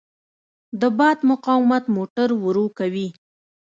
د باد مقاومت موټر ورو کوي.